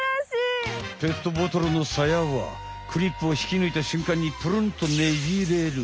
ペットボトルのサヤはクリップをひきぬいたしゅんかんにプルンとねじれる。